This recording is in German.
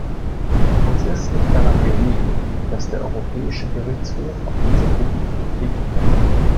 Uns ist nicht daran gelegen, dass der Europäische Gerichtshof auf diesem Gebiet tätig wird.